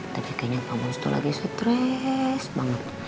tapi kayaknya pak bos tuh lagi stres banget